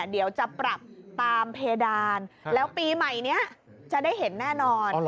เดี๋ยวจะปรับตามเพดานแล้วปีใหม่นี้จะได้เห็นแน่นอน